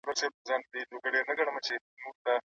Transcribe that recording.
خلګ د سياست په اړه بېلابېل آندونه لري.